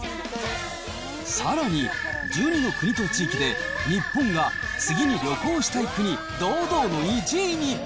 さらに、１２の国と地域で、日本が次に旅行したい国、堂々の１位に。